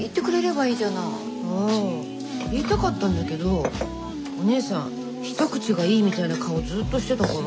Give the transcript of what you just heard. あ言いたかったんだけどお姉さん一口がいいみたいな顔ずっとしてたから。